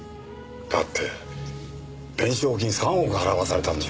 だって弁償金３億払わされたんでしょ？